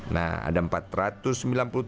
nah ada empat ratus sembilan puluh tujuh